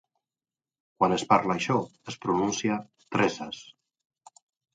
Quan es parla això es pronuncia "tres-as"'.